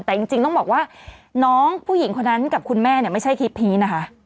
แต่จริงต้องบอกว่าน้องผู้หญิงคนนั้นกับคุณแม่เนี่ยไม่ใช่คลิปนี้นะคะ